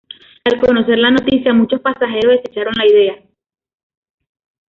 Al conocer la noticia, muchos pasajeros desecharon la idea.